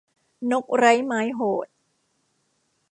นกไร้ไม้โหด